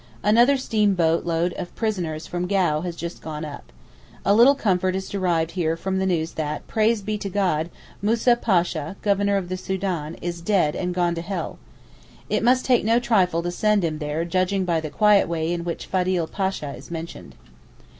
Another steam boat load of prisoners from Gau has just gone up. A little comfort is derived here from the news that, 'Praise be to God, Moussa Pasha (Governor of the Soudan) is dead and gone to Hell.' It must take no trifle to send him there judging by the quiet way in which Fadil Pasha is mentioned.